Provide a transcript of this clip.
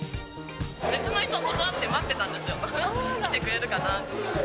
別の人、断って待ってたんですよ、来てくれるかなと思って。